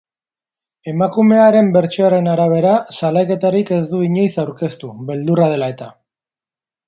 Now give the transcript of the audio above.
Emakumearen bertsioaren arabera, salaketarik ez du inoiz aurkeztu, beldurra dela eta.